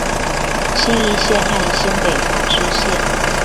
信義線和新北投支線